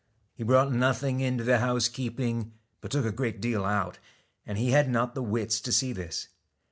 He brought nothing into the housekeeping but took a great deal out, and he had not the wits to see this.